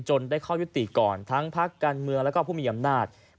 ได้ข้อยุติก่อนทั้งพักการเมืองและผู้มีอำนาจ